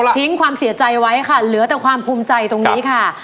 ทิ้งความเสียใจไว้ค่ะเหลือแต่ความภูมิใจตรงนี้ค่ะ